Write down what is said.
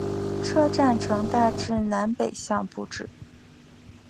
车站呈大致南北向布置。